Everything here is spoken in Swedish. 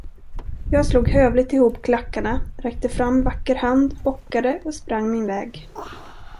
Jag slog hövligt ihop klackarna, räckte fram vacker hand, bockade och sprang min väg.